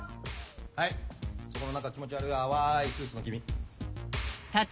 はいそこの何か気持ち悪い淡いスーツの君。